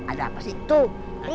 ada apa sih